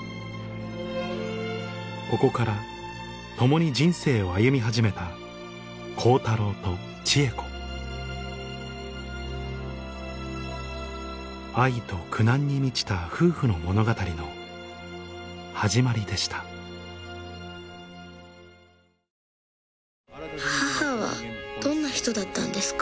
ここから共に人生を歩み始めた光太郎と智恵子愛と苦難に満ちた夫婦の物語の始まりでした母はどんな人だったんですか？